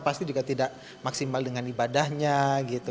pasti juga tidak maksimal dengan ibadahnya gitu